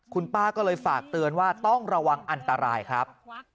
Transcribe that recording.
คุณป้าก็เลยฝากเตือนว่าต้องระวังอันตรายครับ